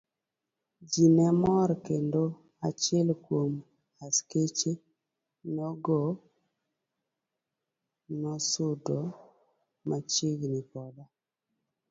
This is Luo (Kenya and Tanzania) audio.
Ji ne mor kendo achiel kuom askeche nogo nosudo machiegni koda.